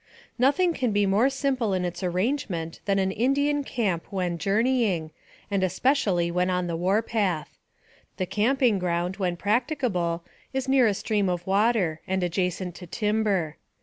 Nothing can be more simple in its arrangement than an Indian camp when journeying, and especially when on the war path. The camping ground, when practi cable, is near a stream of water, and adjacent to timber.